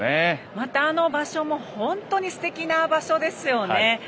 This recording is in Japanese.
また、あの場所も本当にすてきな場所ですよね。